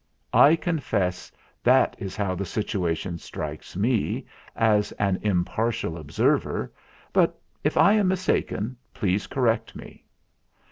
I confess that is how the situation strikes me, as an impartial observer; but if I am mistaken, please correct me."